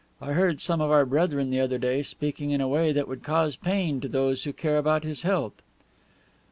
I heard some of our brethren the other day speaking in a way that would cause pain to those who care about his health."